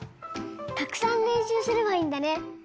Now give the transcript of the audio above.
たくさんれんしゅうすればいいんだね。